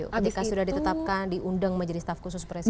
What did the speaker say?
ketika sudah ditetapkan diundang menjadi staf khusus presiden